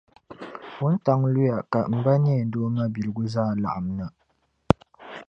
Wuntaŋ luya ka m ba Neindoo mabiligu zaa laɣim na.